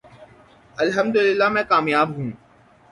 الحمدللہ میں کامیاب ہوں۔